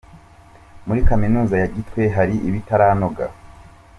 Muri Kaminuza ya Gitwe hari ibitaranoga .